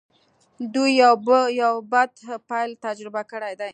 دوی يو بد پيل تجربه کړی دی.